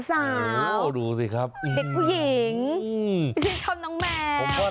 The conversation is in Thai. เสาเด็กผู้หญิงชินชอบน้องแหมวโอ้โฮดูสิครับ